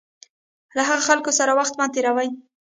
له هغه خلکو سره وخت مه تېروئ.